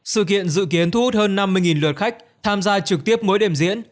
sự kiện dự kiến thu hút hơn năm mươi lượt khách tham gia trực tiếp mỗi đêm diễn